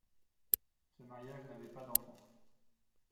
Ce mariage n'avait pas d'enfant.